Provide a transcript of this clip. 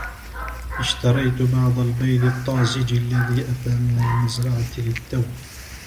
اشتريت بعض البيض الطازج الذي أتى من المزرعة للتو.